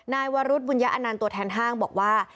นายวรุธบุญญาอนันต์ตัวแทนห้างบอกว่า